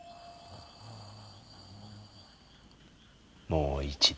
もう一度。